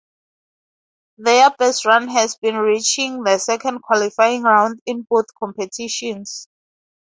Their best run has been reaching the second qualifying round in both competitions.